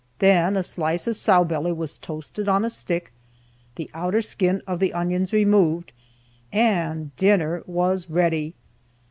Then a slice of sow belly was toasted on a stick, the outer skin of the onions removed and dinner was ready.